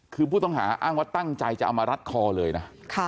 คือผู้ต้องหาอ้างว่าตั้งใจจะเอามารัดคอเลยนะ